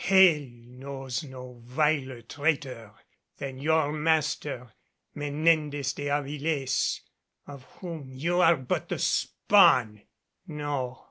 Hell knows no viler traitor than your master, Menendez de Avilés, of whom you are but the spawn! No!